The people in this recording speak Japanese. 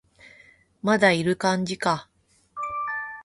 まだいる感じか